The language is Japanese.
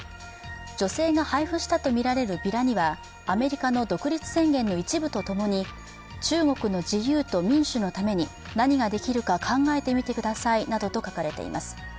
女性が配布したとみられるビラにはアメリカの独立宣言の一部とともに中国の自由と民主のために何ができるか考えてみてくださいなどと書かれています。